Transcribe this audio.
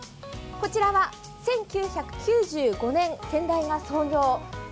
こちらは１９９５年、先代が創業。